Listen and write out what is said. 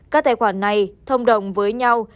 các tài khoản này thông đồng với nhau